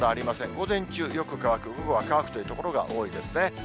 午前中よく乾く、午後は乾くという所が多いですね。